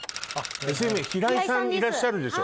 ＳＭＡ平井さんいらっしゃるでしょ？